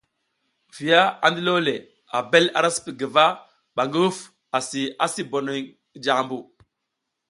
Viya a ndilole, Abel ara sii guva ɓa ngi huf asi asi bonoy jaʼmbu.